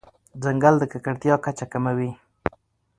ځنګل د ککړتیا کچه کموي.